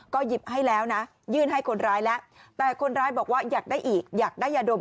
ก็หยิบให้แล้วนะยื่นให้คนร้ายแล้วแต่คนร้ายบอกว่าอยากได้อีกอยากได้ยาดม